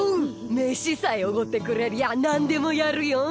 メシさえおごってくれりゃ何でもやるヨン。